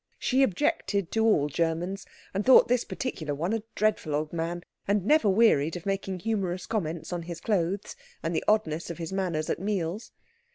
She objected to all Germans, and thought this particular one a dreadful old man, and never wearied of making humorous comments on his clothes and the oddness of his manners at meals.